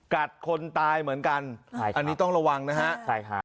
คนตายเหมือนกันใช่อันนี้ต้องระวังนะฮะใช่ฮะ